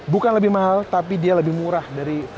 bukan lebih mahal tapi dia lebih murah dari